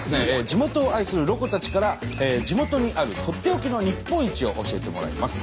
地元を愛するロコたちから地元にあるとっておきの日本一を教えてもらいます。